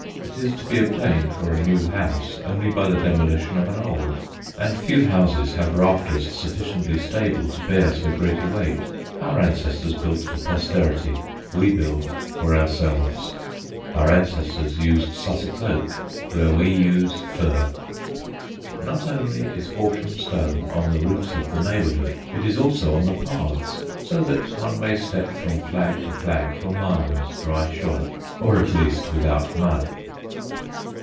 It is to be obtained for a new house only by the demolition of an old; and few new houses have rafters sufficiently stable to bear so great a weight. Our ancestors built for posterity: we build for ourselves. Our ancestors used Sussex oak where we use fir. Not only is Horsham stone on the roofs of the neighbourhood: it is also on the paths, so that one may step from flag to flag for miles, dryshod, or at least without mud.